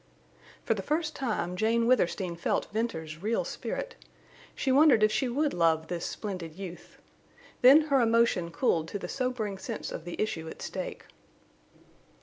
For the first time Jane Withersteen felt Venters's real spirit. She wondered if she would love this splendid youth. Then her emotion cooled to the sobering sense of the issue at stake.